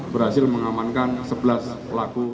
berhasil mengamankan sebelas pelaku